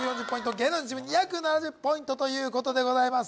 芸能人チーム２７０ポイントということでございます